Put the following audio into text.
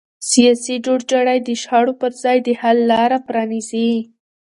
سیاسي جوړجاړی د شخړو پر ځای د حل لاره پرانیزي